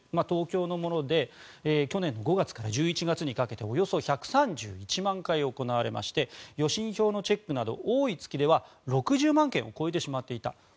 東京のもので去年の５月から１１月にかけておよそ１３１万回行われまして予診票のチェックなど多い月では６０万件を超えてしまっていた。